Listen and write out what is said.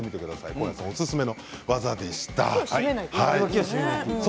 甲谷さんおすすめの技でした。